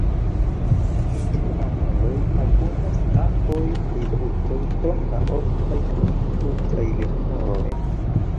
Inter mamuloj abundas aproj kaj vulpoj, krom la oftaj kunikloj kaj leporoj.